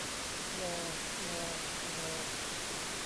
ลอ ฬอ รอ